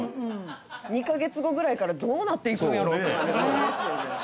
２カ月後ぐらいからどうなっていくんやろうってね思いますよね。